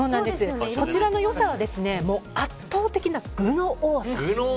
こちらの良さは圧倒的な具の多さ。